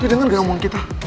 dia denger gak omong kita